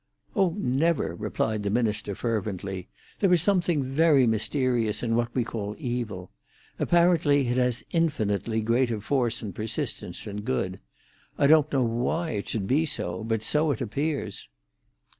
"Oh, never!" replied the minister fervently. "There is something very mysterious in what we call evil. Apparently it has infinitely greater force and persistence than good. I don't know why it should be so. But so it appears."